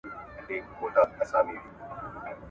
نه دي ستا کره پاخه سي، نه دي زما خواري تر خوله سي.